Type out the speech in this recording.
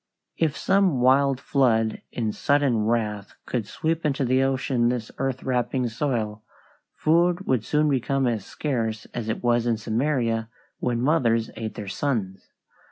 If some wild flood in sudden wrath could sweep into the ocean this earth wrapping soil, food would soon become as scarce as it was in Samaria when mothers ate their sons.